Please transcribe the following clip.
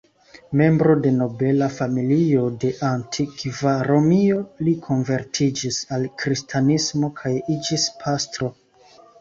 Membro de nobela familio de antikva Romio, li konvertiĝis al kristanismo kaj iĝis pastro.